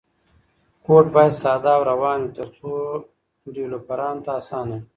کوډ باید ساده او روان وي ترڅو ډیولپرانو ته اسانه وي.